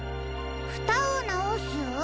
ふたをなおす？